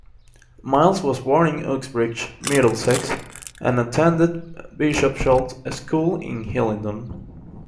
Miles was born in Uxbridge, Middlesex and attended Bishopshalt School in Hillingdon.